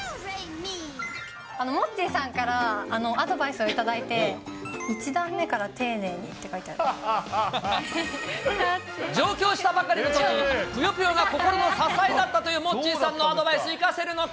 モッチーさんからアドバイスを頂いて、上京したばかりのとき、ぷよぷよが心の支えだったというモッチーさんのアドバイス、生かせるのか？